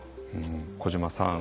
小島さん